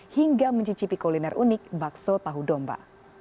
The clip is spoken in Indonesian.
hingga mencicipi kuliner unik bakso tahu domba